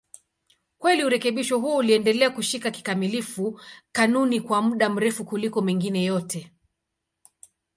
Kweli urekebisho huo uliendelea kushika kikamilifu kanuni kwa muda mrefu kuliko mengine yote.